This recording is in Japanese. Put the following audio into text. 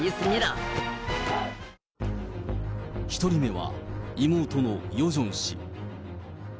１人目は妹のヨジョン氏。